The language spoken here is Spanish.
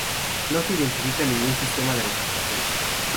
No se ha identificado ningún sistema de recaptación.